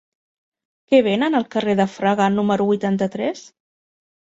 Què venen al carrer de Fraga número vuitanta-tres?